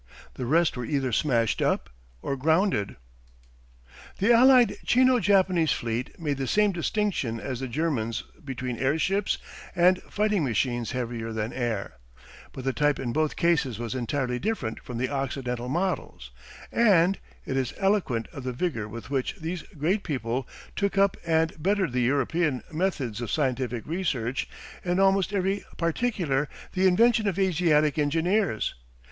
The rest were either smashed up or grounded. The allied Chino Japanese fleet made the same distinction as the Germans between airships and fighting machines heavier than air, but the type in both cases was entirely different from the occidental models, and it is eloquent of the vigour with which these great peoples took up and bettered the European methods of scientific research in almost every particular the invention of Asiatic engineers.